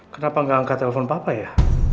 kenapa nggak angkat telepon papa ya